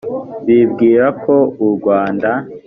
bibwira ko u rwanda